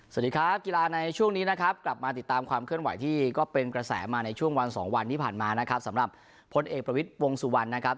สวัสดีครับกีฬาในช่วงนี้นะครับกลับมาติดตามความเคลื่อนไหวที่ก็เป็นกระแสมาในช่วงวันสองวันที่ผ่านมานะครับสำหรับพลเอกประวิทย์วงสุวรรณนะครับ